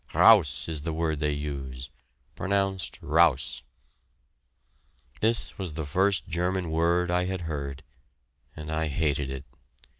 "Raus" is the word they use, pronounced "rouse." This was the first German word I had heard, and I hated it.